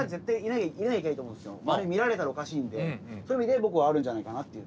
周りに見られたらおかしいんでそういう意味で僕はあるんじゃないかなっていう。